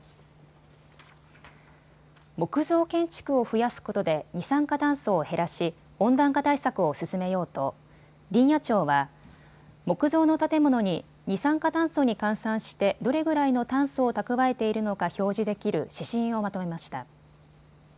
木造建築を増やすことで二酸化炭素を減らし温暖化対策を進めようと林野庁は木造の建物に二酸化炭素に換算してどれぐらいの炭素を蓄えているのか表示できる指針をまとめました。